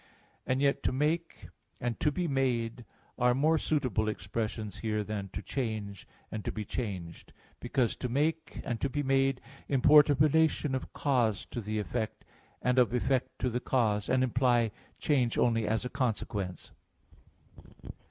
And yet "to make" and "to be made" are more suitable expressions here than "to change" and "to be changed," because "to make" and "to be made" import a relation of cause to the effect, and of effect to the cause, and imply change only as a consequence.